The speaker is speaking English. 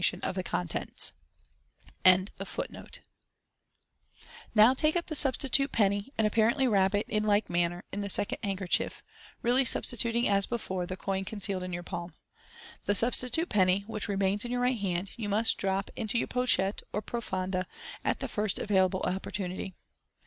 * Now take up the substitute penny, and apparently wrap it, in like manner, in the second handkei chief, really substitut ing as before the coin concealed in your palm. The substitute penny, which remains in your right hand, you must drop into your pochettt or profonde at the first available opportunity.